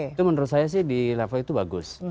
itu menurut saya sih di level itu bagus